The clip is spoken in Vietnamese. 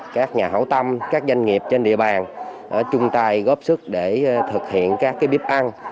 các nhà hảo tâm các doanh nghiệp trên địa bàn chung tay góp sức để thực hiện các bếp ăn